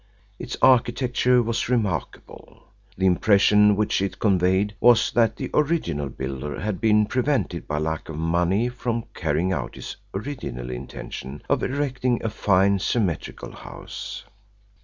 Its architecture was remarkable. The impression which it conveyed was that the original builder had been prevented by lack of money from carrying out his original intention of erecting a fine symmetrical house.